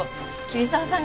桐沢さん